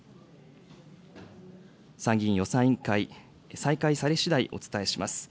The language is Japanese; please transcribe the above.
参議院予算委員会、再開されしだい、お伝えします。